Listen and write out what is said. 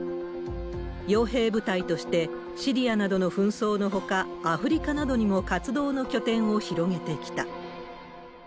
よう兵部隊としてシリアなどの紛争のほか、アフリカなどにも活動の拠点を広げてきた。